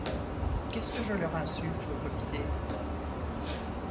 Qu’est-ce que je leur insuffle, comme idée ?